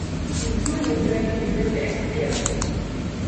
Ці здолеюць зрабіць гэта эксперты?